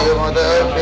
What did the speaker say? iya kek temen temen